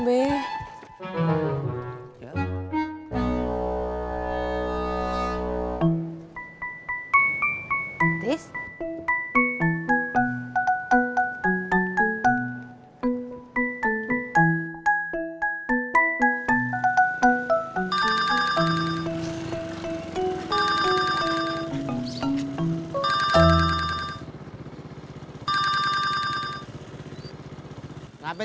saya juga bingung be